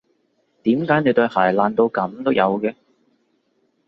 點解你對鞋爛到噉都有嘅？